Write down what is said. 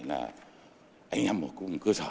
là anh em của cơ sở